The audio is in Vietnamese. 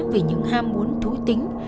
vì những ham muốn thú tính